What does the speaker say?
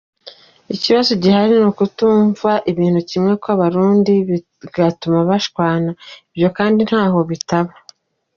ikibazo gihari nukutumva ibintu kimwe kwabarundi bigatuma bashwana, ibyo kandi ntaho bitaba.